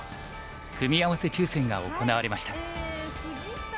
組み合わせ抽選が行われました。